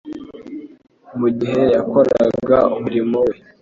Mu gihe yakoraga umurimo we,